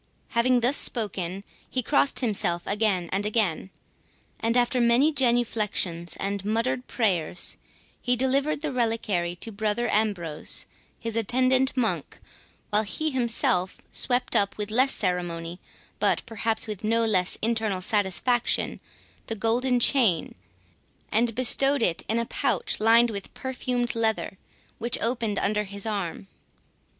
Having thus spoken, he crossed himself again and again, and after many genuflections and muttered prayers, he delivered the reliquary to Brother Ambrose, his attendant monk, while he himself swept up with less ceremony, but perhaps with no less internal satisfaction, the golden chain, and bestowed it in a pouch lined with perfumed leather, which opened under his arm.